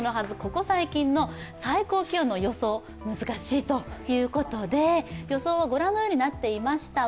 ここ最近の最高気温の予想難しいということで予想はご覧のようになっていました。